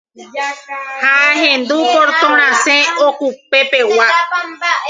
ha ahendu portón rasẽ okupepegua